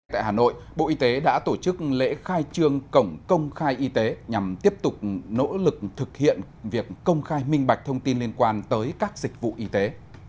tại hà nội bộ y tế đã tổ chức lễ khai trương cổng công khai y tế nhằm tiếp tục nỗ lực thực hiện việc công khai minh bạch thông tin liên quan tới các dịch vụ y tế